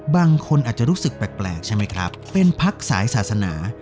บางคนอาจจะรู้สึกแปลกใช่ไหมครับเป็นพักสายศาสนา